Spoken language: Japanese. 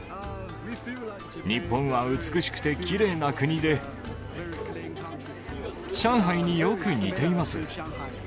日本は美しくてきれいな国で、上海によく似ています。